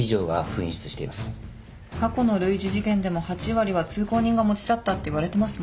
過去の類似事件でも８割は通行人が持ち去ったっていわれてますもんね。